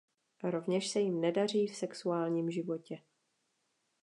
Rovněž se jim nedaří v sexuálním životě.